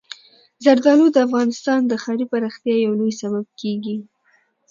زردالو د افغانستان د ښاري پراختیا یو لوی سبب کېږي.